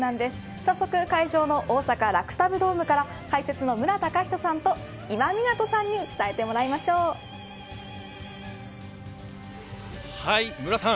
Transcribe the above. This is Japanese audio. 早速会場の大阪、ラクタブドームから解説の無良崇人さんと今湊さんに無良さん。